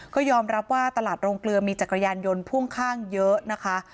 ก็ยอมรับว่าตลาดโรงเกลือมีจักรยานยนต์พ่วงข้างเยอะนะคะ